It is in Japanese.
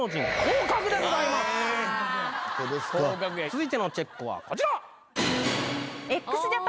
続いてのチェックはこちら！